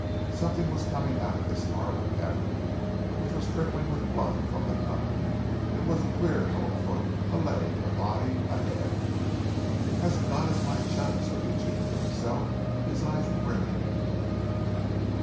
Something was coming up out of this horrible cavity, which was trickling with blood from the cut. It was queer a little foot, a leg, a body, a head. "As God is my judge," said Eugene to himself, his eyes brimming again.